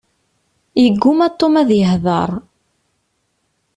Yegguma Tom ad yeheder.